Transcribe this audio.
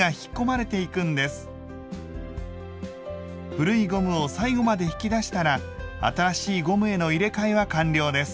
古いゴムを最後まで引き出したら新しいゴムへの入れ替えは完了です。